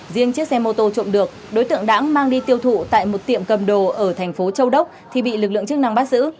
riêng chiếc xe mô tô trộm được đối tượng đã mang đi tiêu thụ tại một tiệm cầm đồ ở thành phố châu đốc thì bị lực lượng chức năng bắt giữ